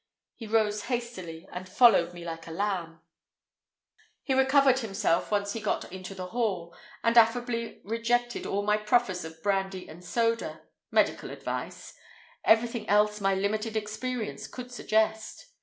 He rose hastily and followed me like a lamb. He recovered himself once we got into the hall, and affably rejected all my proffers of brandy and soda—medical advice—everything else my limited experience could suggest.